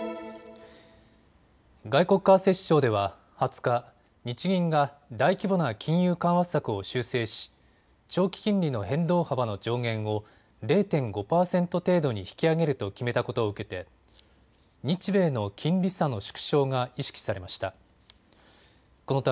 外国為替市場では２０日、日銀が大規模な金融緩和策を修正し長期金利の変動幅の上限を０．５％程度に引き上げると決めたことを受けて日米の金利差の縮小が意識されました。